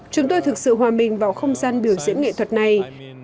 chúng tôi thực sự hòa mình vào không gian biểu diễn nghệ thuật này